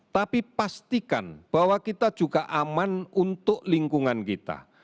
tapi pastikan bahwa kita juga aman untuk lingkungan kita